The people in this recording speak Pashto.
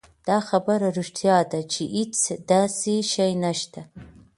دا خبره رښتيا ده چې هېڅ داسې شی نشته